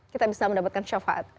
kita bisa mendapatkan syafaat